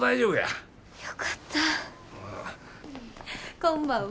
こんばんは。